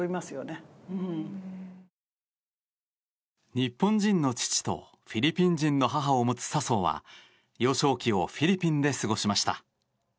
日本人の父とフィリピン人の母を持つ笹生は幼少期をフィリピンで過ごしました。